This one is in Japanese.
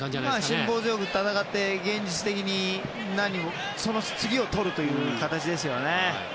辛抱強く戦って現実的にその次をとるという形ですよね。